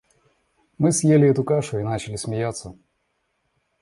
Мы съели эту кашу и начали смеяться.